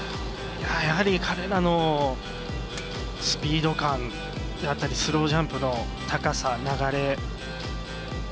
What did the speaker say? やはり彼らのスピード感であったりスロージャンプの高さ、流れ。